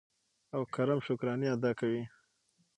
او کرم شکرانې ادا کوي.